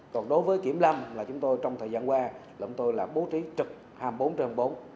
còn đối với kiểm lâm trong thời gian qua chúng tôi bố trí trực hai mươi bốn trên hai mươi bốn